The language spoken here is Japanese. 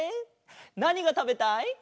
なにがたべたい？